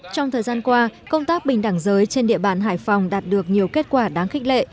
trong thời gian qua công tác bình đẳng giới trên địa bàn hải phòng đạt được nhiều kết quả đáng khích lệ